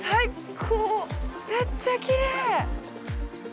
めっちゃきれい！